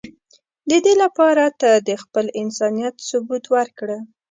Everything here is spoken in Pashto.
د دی لپاره ته د خپل انسانیت ثبوت ورکړه.